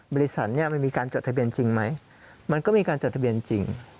บริษัทเนี่ยมันมีการจดทะเบียนจริงไหมมันก็มีการจดทะเบียนจริง